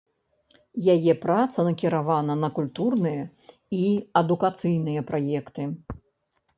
Яе праца накіравана на культурныя і адукацыйныя праекты.